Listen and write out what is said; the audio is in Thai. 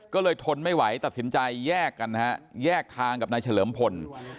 ก็เลยทนไม่ไหวตัดสินใจแยกกันนะฮะแยกทางกับนายเฉลิมพล